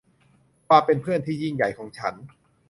ความเป็นเพื่อนที่ยิ่งใหญ่ของฉัน